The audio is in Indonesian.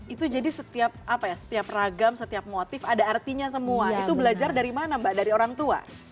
itu jadi setiap apa ya setiap ragam setiap motif ada artinya semua itu belajar dari mana mbak dari orang tua